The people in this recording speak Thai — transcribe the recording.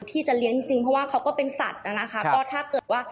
ที่จะเลี้ยงจริงจริงเพราะว่าเขาก็เป็นสัตว์น่ะนะคะ